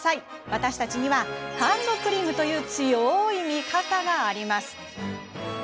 私たちには、ハンドクリームという強い味方があります。